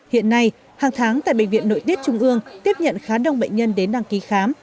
hiện nay hàng tháng tại bệnh viện nội tiết trung ương tiếp nhận khá đông bệnh nhân đến đăng ký khám